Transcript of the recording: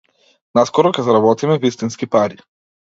Наскоро ќе заработиме вистински пари.